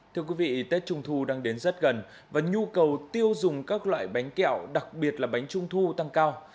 thưa quý vị tết trung thu đang đến rất gần và nhu cầu tiêu dùng các loại bánh kẹo đặc biệt là bánh trung thu tăng cao